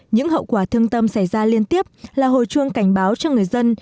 những hậu quả thương tâm xảy ra liên tiếp là hồi chuông cảnh báo cho người dân